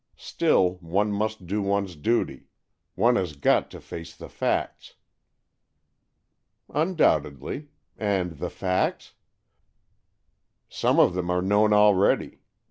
Still, one must do one's duty. One has got to face the facts." "Undoubtedly. And the facts?" " Some of them are known already.